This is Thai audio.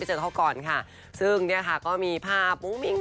ซึ่งแงค่ะมีภาพ